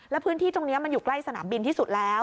แล้วพื้นที่ตรงนี้มันอยู่ใกล้สนามบินที่สุดแล้ว